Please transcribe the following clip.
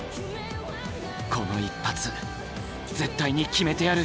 この一発絶対に決めてやる！